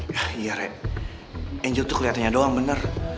yah iya re angel tuh keliatannya doang bener